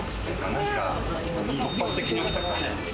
何か突発的に起きた感じです。